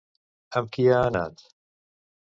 Amb qui ha anat?